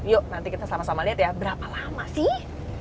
yuk nanti kita sama sama lihat ya berapa lama sih